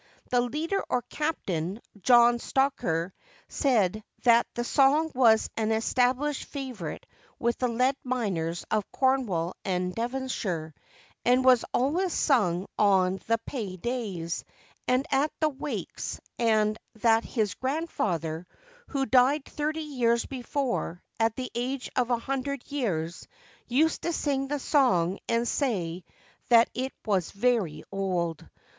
The leader or 'Captain,' John Stocker, said that the song was an established favourite with the lead miners of Cornwall and Devonshire, and was always sung on the pay days, and at the wakes; and that his grandfather, who died thirty years before, at the age of a hundred years, used to sing the song, and say that it was very old.